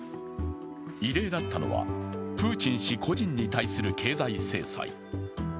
異例だったのはプーチン氏個人に対する経済制裁。